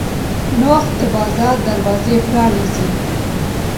نوښت د بازار دروازې پرانیزي.